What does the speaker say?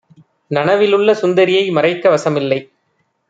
நனவிலுள்ள சுந்தரியை மறைக்க வசமில்லை!